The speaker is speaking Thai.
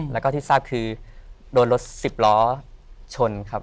แล้วก็ที่ทราบคือโดนรถสิบล้อชนครับ